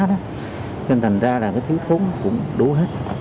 nên thành ra thiếu thốn cũng đủ hết